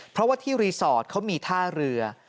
เพราะว่าที่รีสอร์ทเขามีท่าเรือ